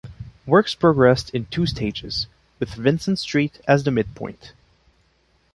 Works progressed in two stages, with Vincent Street as the midpoint.